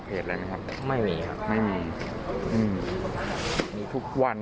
ขอบคุณครับ